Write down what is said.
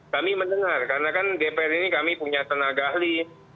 kami mendengar karena kan dpr ini kami punya tenaga ahli